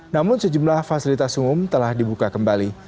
namun sejumlah fasilitas umum telah dibuka kembali